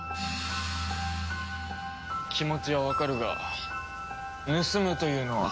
気持ちはわかるが盗むというのは。